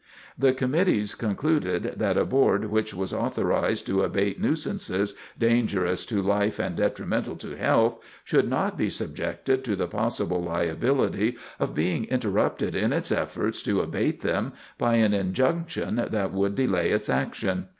The Committees concluded that a board which was authorized to abate nuisances "dangerous to life and detrimental to health" should not be subjected to the possible liability of being interrupted in its efforts to abate them by an injunction that would delay its action.